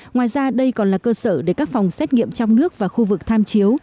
ngoài ra đây còn là cơ sở để các phòng xét nghiệm trong nước và khu vực tham chiếu